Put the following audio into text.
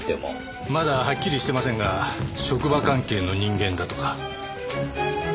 まだはっきりしてませんが職場関係の人間だとか。